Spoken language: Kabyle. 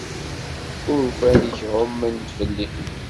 Urfan-ik ɛummen-d fell-i.